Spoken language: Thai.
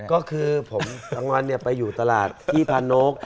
ก็คือผมทั้งวันเนี่ยไปอยู่ตลาดที่พาโน๊ก